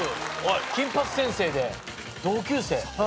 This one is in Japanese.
『金八先生』で同級生。